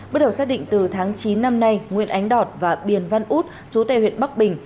bước đầu xác định từ tháng chín năm nay nguyễn ánh đọt và điền văn út chú tây huyện bắc bình